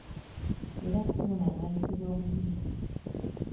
Era Ssuuna n’ayisibwa bubi.